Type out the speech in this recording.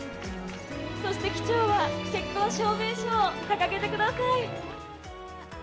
・そして機長は結婚証明書を掲げてください！